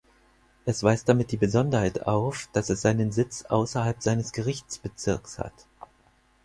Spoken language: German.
Es weist damit die Besonderheit auf, dass es seinen Sitz außerhalb seines Gerichtsbezirks hat.